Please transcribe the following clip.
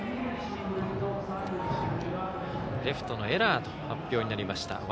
レフトのエラーと発表になりました。